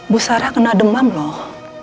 bu sarah kena demam loh